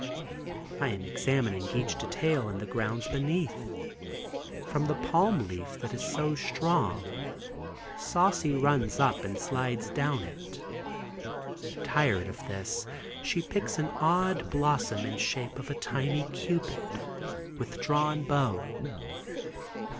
I am examining each detail in the grounds beneath. From the palm leaf that is so strong Saucy runs up and slides down it. Tired of this she picks an odd blossom in shape of a tiny cupid with drawn bow.